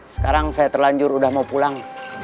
sekarang saya terlanjur udah mau pulang